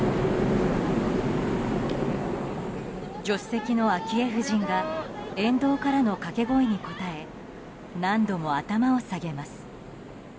助手席の昭恵夫人が沿道からの掛け声に応え何度も頭を下げます。